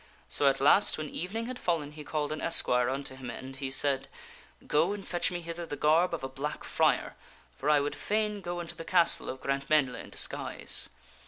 So at last, when evening had fallen, he called an esquire unto him and he said, " Go, and fetch me hither the garb of a black friar, for I would fain go unto the castle of Grantmesnle in disguise."